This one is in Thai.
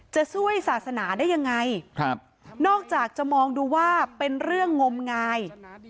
จะช่วยศาสนาได้ยังไงครับนอกจากจะมองดูว่าเป็นเรื่องงมงาย